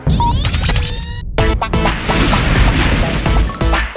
จริง